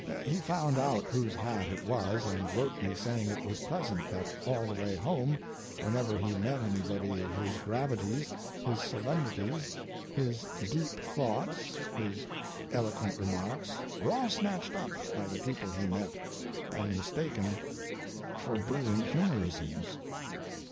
He found out whose hat it was, and wrote me saying it was pleasant that all the way home, whenever he met anybody his gravities, his solemnities, his deep thoughts, his eloquent remarks were all snatched up by the people he met, and mistaken for brilliant humorisms.